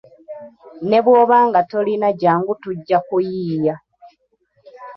Ne bwoba nga tolina jjangu tujja kuyiiya.